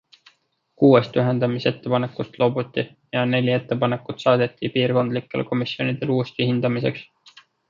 Kuuest ühendamisettepanekust loobuti ja neli ettepanekut saadeti piirkondlikele komisjonidele uuesti hindamiseks.